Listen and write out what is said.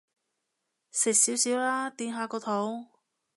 食少少啦，墊下個肚